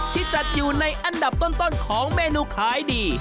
ที่จัดอยู่ในอันดับต้นของเมนูขายดี